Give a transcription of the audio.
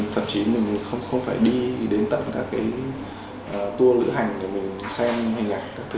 thậm chí mình không phải đi đến tận các cái tour lữ hành để mình xem hình ảnh các thứ